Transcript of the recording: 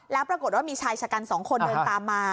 แล้วปรากฏว่ามีชายฉากร๒คนเดินตามมา